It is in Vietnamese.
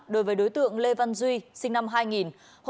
đối với đối tượng lê văn duy sinh năm hai nghìn hộ khẩu thương chú